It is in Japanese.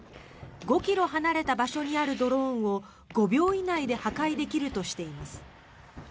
５ｋｍ離れた場所にあるドローンを、５秒以内で破壊できるとしています。